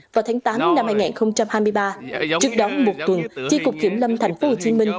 vào tháng tám năm hai nghìn hai mươi ba trước đóng một tuần chiếc cục kiểm lâm thành phố hồ chí minh